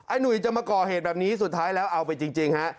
หนุ่ยจะมาก่อเหตุแบบนี้สุดท้ายแล้วเอาไปจริงฮะ